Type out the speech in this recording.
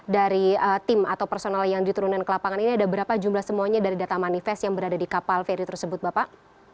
dari tim atau personal yang diturunkan ke lapangan ini ada berapa jumlah semuanya dari data manifest yang berada di kapal feri tersebut bapak